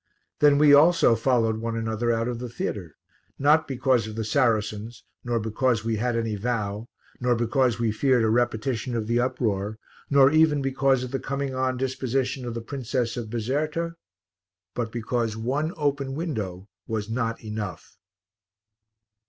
Then we also followed one another out of the theatre, not because of the Saracens, nor because we had any vow, nor because we feared a repetition of the uproar, nor even because of the coming on disposition of the Princess of Bizerta, but because one open window was not enough.